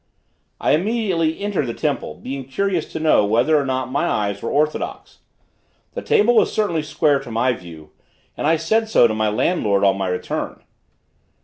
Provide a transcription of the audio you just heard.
I immediately entered the temple, being curious to know whether or not my eyes were orthodox. The table was certainly square to my view, and I said so to my landlord, on my return.